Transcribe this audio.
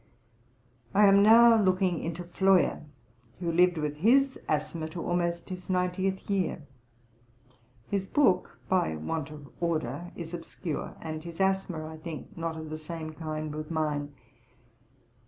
I am now looking into Floyer who lived with his asthma to almost his ninetieth year. His book by want of order is obscure, and his asthma, I think, not of the same kind with mine.